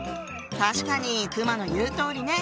確かに熊の言うとおりね。